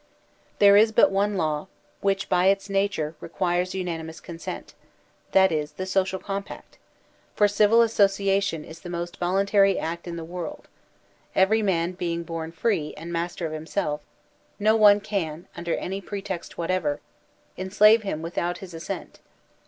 There is but one law which by its nature requires unan imous consent, that is, the social compact; for civil asso ciation is the most voluntary act in the world; every man being bom free and master of himself, no one can, under any pretext whatever, enslave him without his assent.